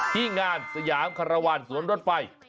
ที่งานสยามคารวาลสวนรถไฟ